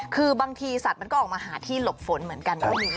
คือบางทีสัตว์มันก็ออกมาหาที่หลบฝนเหมือนกันก็มี